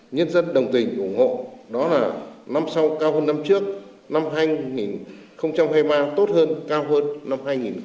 nhân dân đồng tình ủng hộ đó là năm sau cao hơn năm trước năm hai nghìn hai mươi ba tốt hơn cao hơn năm hai nghìn hai mươi ba